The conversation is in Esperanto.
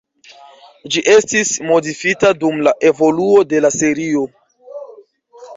Ĝi estis modifita dum la evoluo de la serio.